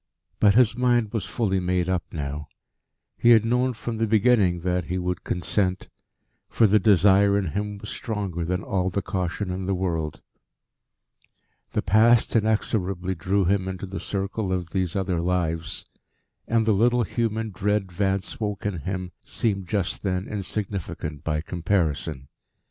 But his mind was fully made up now. He had known from the beginning that he would consent, for the desire in him was stronger than all the caution in the world. The Past inexorably drew him into the circle of these other lives, and the little human dread Vance woke in him seemed just then insignificant by comparison.